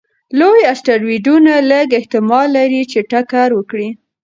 لوی اسټروېډونه لږ احتمال لري چې ټکر وکړي.